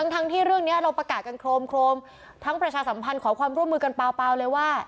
ทั้งที่เรื่องนี้เราประกาศกันโครมทั้งประชาสัมพันธ์ขอความร่วมมือกันเปล่าเลยว่า